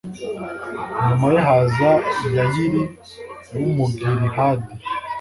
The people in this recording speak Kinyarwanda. nyuma ye haza yayiri w'umugilihadi